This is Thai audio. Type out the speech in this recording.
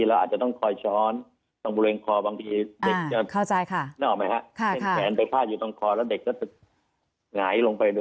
กล้ามเนื้อคอไม่แข็งพอ